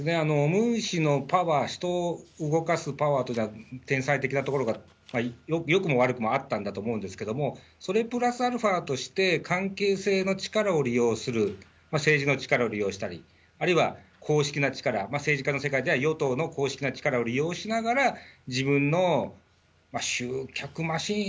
ムン氏のパワー、人を動かすパワーというのは、天才的なところがよくも悪くもあったんだと思うんですけれども、それプラスアルファとして関係性の力を利用する、政治の力を利用したり、あるいは公式な力、政治家としたら、与党の公式な力を利用しながら、自分の集客マシーン、